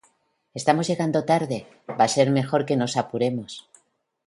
Estamos llegando tarde, va a ser mejor que nos apuremos.